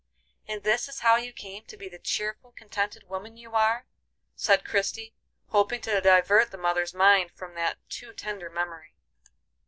"And this is how you came to be the cheerful, contented woman you are?" said Christie, hoping to divert the mother's mind from that too tender memory.